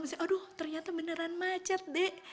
misalnya aduh ternyata beneran macet dek